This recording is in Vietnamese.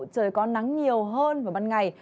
trời có nắng nhiều hơn vào ban ngày